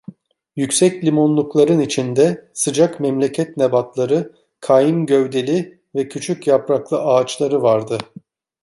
Yüksek limonlukların içinde sıcak memleket nebatları, kaim gövdeli ve küçük yapraklı ağaçları vardı.